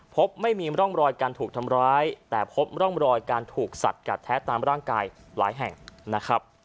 พบไม่มีร่องรอยการถูกทำร้ายแต่พบร่องรอยการถูกสัดกัดแท้ตามร่างกายหลายแห่งนะครับ